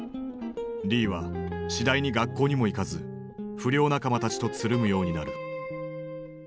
リーは次第に学校にも行かず不良仲間たちとつるむようになる。